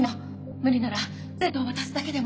無理ならプレゼントを渡すだけでも。